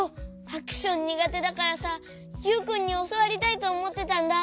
アクションにがてだからさユウくんにおそわりたいとおもってたんだ。